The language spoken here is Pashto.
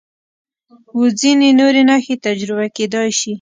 و ځینې نورې نښې تجربه کېدای شي.